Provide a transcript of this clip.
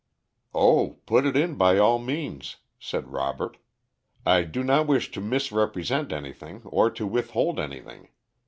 "O put it in, by all means," said Robert. "I do not wish to misrepresent anything or to withhold anything.